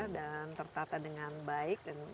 dan tertata dengan baik